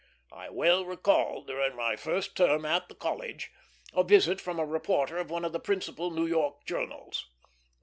I well recall, during my first term at the College, a visit from a reporter of one of the principal New York journals.